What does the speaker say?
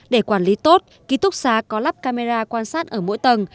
để quản lý tốt ký túc xá có lắp camera quan sát ở mỗi tầng